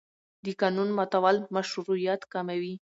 د قانون ماتول مشروعیت کموي